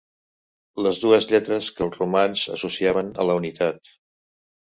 Les dues lletres que els romans associaven a la unitat.